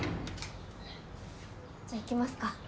じゃあ行きますか。